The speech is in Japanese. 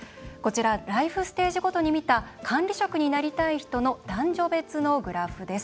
こちらライフステージごとに見た管理職になりたい人の男女別のグラフです。